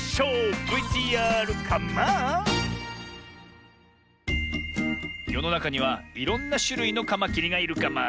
ＶＴＲカマン！よのなかにはいろんなしゅるいのカマキリがいるカマ。